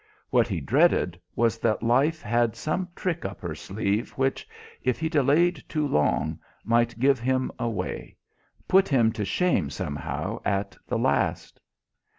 What he dreaded was that life had some trick up her sleeve which, if he delayed too long, might give him away; put him to shame somehow at the last."